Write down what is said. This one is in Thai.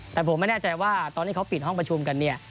แต่ผมไม่แน่ใจว่าตอนที่เขาปิดห้องประชุมกันเนี่ย